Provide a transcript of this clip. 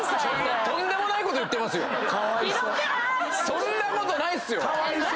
そんなことないっすよ！